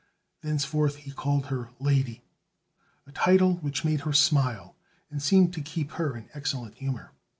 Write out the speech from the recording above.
Thenceforth he called her "lady," a title which made her smile and seemed to keep her in excellent humor.